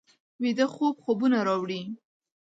ویده خوب خوبونه راوړي